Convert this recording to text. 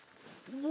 うわ！